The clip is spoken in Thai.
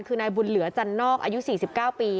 คือนายบุญเหลือจันนอกอายุ๔๙ปี